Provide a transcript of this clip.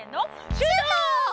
シュート！